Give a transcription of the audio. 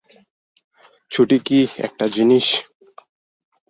ছুটি কি একটা জিনিস?